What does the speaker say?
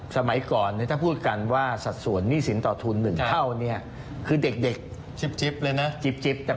สมัยก่อนถ้าพูดกันว่าสัดส่วนนี่สินต่อทุน๑เท่าคือเด็ก